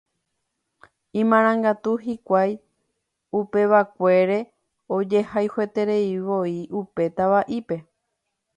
Imarangatu hikuái upevakuére ojehayhuetereivoi upe tava'ípe.